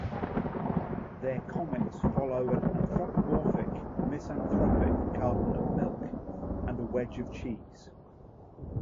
Their comics follow an anthropomorphic, misanthropic carton of milk and a wedge of cheese.